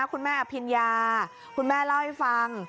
คุณแม่อภิญญาคุณแม่เล่าให้ฟัง